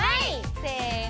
せの。